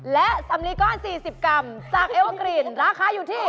และสำลีก้อน๔๐กรัมจากเอเวอร์กรีนราคาอยู่ที่